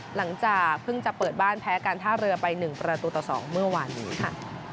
หลังจากเพิ่งจะเปิดบ้านแพ้การท่าเรือไป๑ประตูต่อ๒เมื่อวานนี้ค่ะ